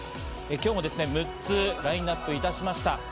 今日も６つラインナップいたしました。